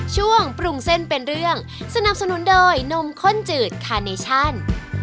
ช่วงปรุงเส้นเป็นเรื่องสนับสนุนโดยนมข้นจืดคาเนชั่น